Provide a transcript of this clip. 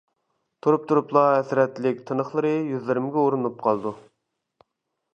تۇرۇپ-تۇرۇپلا ھەسرەتلىك تىنىقلىرى يۈزلىرىمگە ئۇرۇنۇپ قالىدۇ.